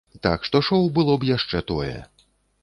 Так што шоў было б яшчэ тое.